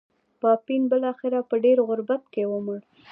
پاپین بلاخره په ډېر غربت کې ومړ.